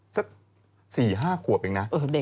สัก๔๕ขวบเองนะ